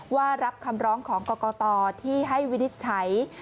ว่ารับคำร้องของกรกตที่ให้วินิจฉัย